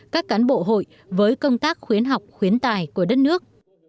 các cán bộ hội với công tác khuyến học khuyến tài của đất nước